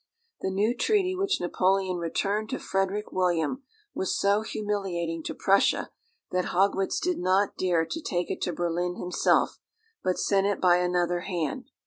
The new treaty which Napoleon returned to Frederick William was so humiliating to Prussia, that Haugwitz did not dare to take it to Berlin himself, but sent it by another hand.